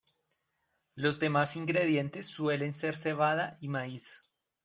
Los demás ingredientes suelen ser cebada y maíz.